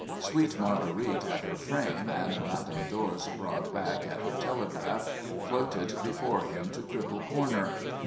Sweet Marguerite at her frame, and Madame Dor's broad back at her telegraph, floated before him to Cripple Corner.